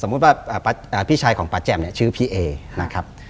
สมมติว่าพี่ชายของประจำเนี่ยชื่อพี่เอนะครับ